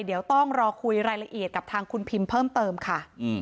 เดี๋ยวต้องรอคุยรายละเอียดกับทางคุณพิมเพิ่มเติมค่ะ